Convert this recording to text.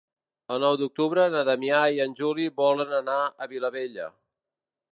El nou d'octubre na Damià i en Juli volen anar a la Vilavella.